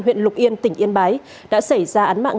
huyện lục yên tỉnh yên bái đã xảy ra án mạng